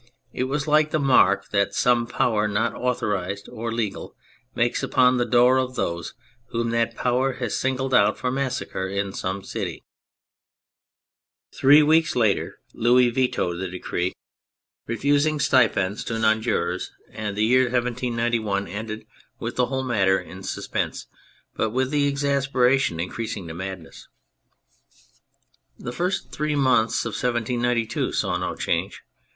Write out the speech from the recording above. It was like the mark that some power not authorised or legal makes upon the door of those v/hom that power has singled out for massacre in some city. Three weeks later Louis vetoed the decree THE CATHOLIC CHURCH 249 refusing stipends to non jurors, and the year 1791 ended with the whole matter in suspense but with exasperation increasing to madness. The first three months of 1792 saw no change.